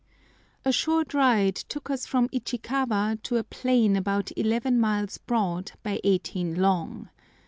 A SHORT ride took us from Ichikawa to a plain about eleven miles broad by eighteen long.